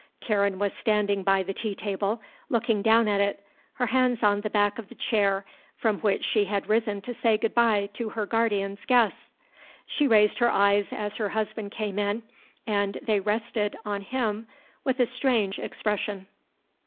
Karen was standing by the tea table, looking down at it, her hands on the back of the chair from which she had risen to say good bye to her guardian's guests. She raised her eyes as her husband came in and they rested on him with a strange expression.